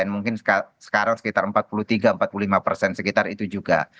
mungkin sekarang sekitar empat puluh tiga empat puluh lima persen sekitar itu juga